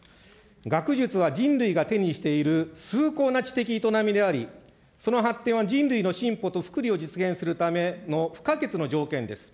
学術は人類が手にしている崇高な知的営みであり、その発展は人類の進歩と福利を実現するための不可欠の条件です。